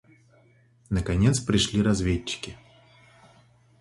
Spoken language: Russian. Наконец пришли разведчики.